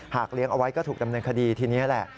เลี้ยงเอาไว้ก็ถูกดำเนินคดีทีนี้แหละ